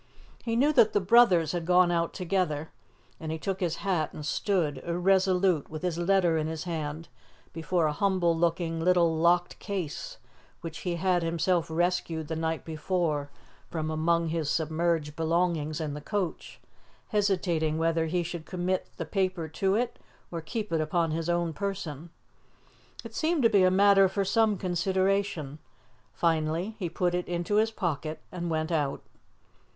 He knew that the brothers had gone out together, and he took his hat and stood irresolute, with his letter in his hand, before a humble looking little locked case, which he had himself rescued the night before from among his submerged belongings in the coach, hesitating whether he should commit the paper to it or keep it upon his own person. It seemed to be a matter for some consideration. Finally, he put it into his pocket and went out.